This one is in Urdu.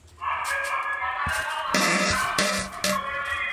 نپولین کی مثال بھی ہے۔